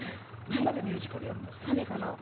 みんなでミュージカルやるんですか？